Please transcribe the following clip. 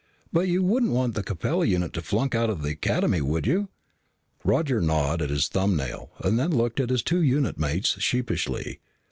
But you wouldn't want the Capella unit to flunk out of the Academy, would you?" Roger gnawed at his thumbnail and then looked at his two unit mates sheepishly.